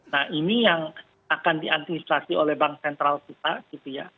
nah ini yang akan diantisipasi oleh bank sentral kita gitu ya